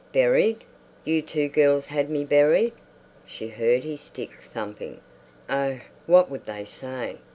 "Buried. You two girls had me buried!" She heard his stick thumping. Oh, what would they say?